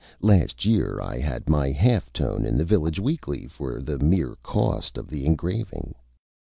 Last year I had my Half Tone in the Village Weekly for the mere Cost of the Engraving.